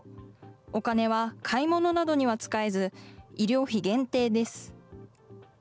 お金は買い物などには使えず、医療費限定です。